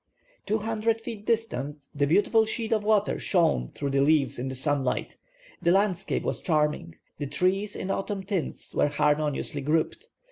Two hundred feet distant the beautiful sheet of water shone through the leaves in the sunlight. The landscape was charming. The trees in autumn tints, were harmoniously grouped.